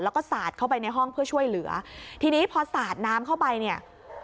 แล้วก็สาดเข้าไปในห้องเพื่อช่วยเหลือทีนี้พอสาดน้ำเข้าไปเนี่ย